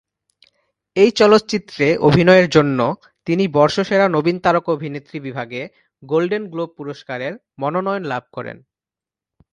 এই চলচ্চিত্রে অভিনয়ের জন্য তিনি বর্ষসেরা নবীন তারকা অভিনেত্রী বিভাগে গোল্ডেন গ্লোব পুরস্কারের মনোনয়ন লাভ করেন।